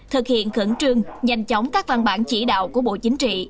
thực hiện khẩn trương nhanh chóng các văn bản chỉ đạo của bộ chính trị